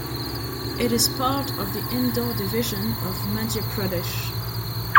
It is part of the Indore Division of Madhya Pradesh.